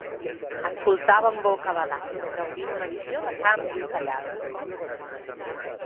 Escoltàvem bocabadats gaudint una visió de camps i ocellades.